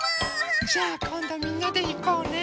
じゃあこんどみんなでいこうね。